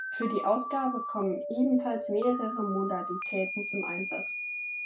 Für die Ausgabe kommen ebenfalls mehrere Modalitäten zum Einsatz.